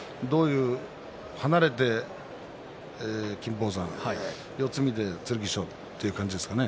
離れて金峰山、四つ身で剣翔という感じですかね。